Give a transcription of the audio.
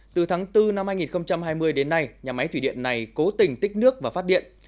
từ tháng bốn năm hai nghìn hai mươi đến nay nhà máy thủy điện này cố tình tích nước và phát điện